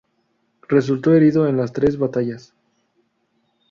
Resultó herido en las tres batallas.